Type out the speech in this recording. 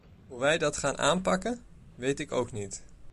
Hoe wij dat gaan aanpakken, weet ik ook niet.